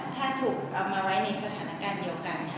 ถ้าถูกเอามาไว้ในสถานการณ์เดียวกัน